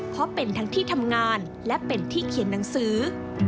เพราะเป็นทั้งที่ทำงานและเป็นที่เขียนหนังสือ